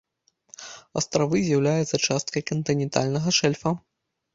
Астравы з'яўляюцца часткай кантынентальнага шэльфа.